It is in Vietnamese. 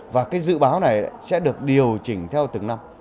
và cái dự báo này sẽ được điều chỉnh theo từng năm